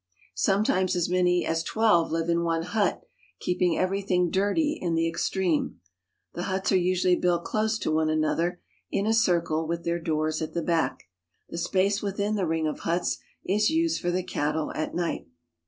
Sometimes as many as twelve live in one hut, keeping everything dirty in the extreme. The huts are usually built close to one another, in a circle, with their doors at the back. The space within the ring of huts is used for the cattle at night.